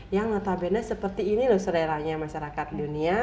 yang notabene seperti ini loh seleranya masyarakat dunia